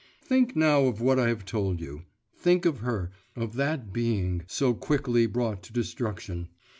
Think now of what I have told you; think of her, of that being so quickly brought to destruction.